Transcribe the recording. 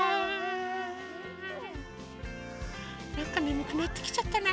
なんかねむくなってきちゃったな。